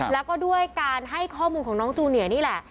แล้วก็ด้วยการให้ข้อมูลของน้องจูเนียนี่แหละ